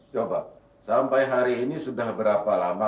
coba sampai hari ini sudah berapa lama